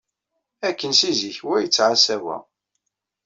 Akken si zik, wa yettɛassa wa.